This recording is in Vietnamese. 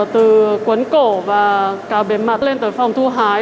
từ cuốn cổ và cả bề mặt lên tới phòng thu hái